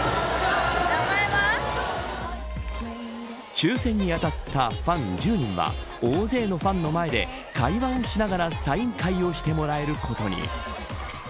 抽選に当たったファン１０人は大勢のファンの前で会話をしながらサイン会をしてもらえることに。